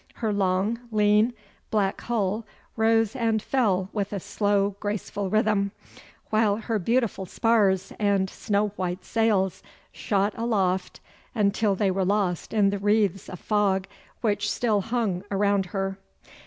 Her long, lean, black hull rose and fell with a slow, graceful rhythm, while her beautiful spars and snow white sails shot aloft until they were lost in the wreaths of fog which still hung around her.